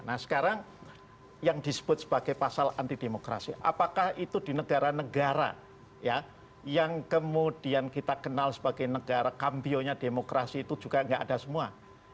nah sekarang yang disebut sebagai pasal anti demokrasi apakah itu di negara negara yang kemudian kita kenal sebagai negara kambionya demokrasi itu juga nggak ada semua